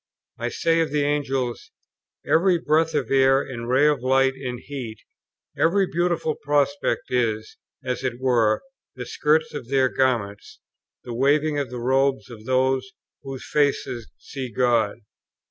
I say of the Angels, "Every breath of air and ray of light and heat, every beautiful prospect, is, as it were, the skirts of their garments, the waving of the robes of those whose faces see God."